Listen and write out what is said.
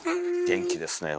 元気ですねえ